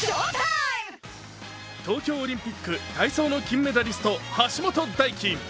東京オリンピック体操の金メダリスト橋本大輝。